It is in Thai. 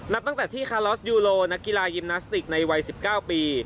ตั้งแต่ที่คาลอสยูโรนักกีฬายิมนาสติกในวัย๑๙ปี